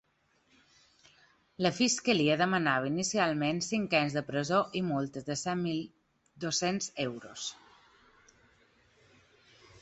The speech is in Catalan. La fiscalia demanava inicialment cinc anys de presó i multes de set mil dos-cents euros.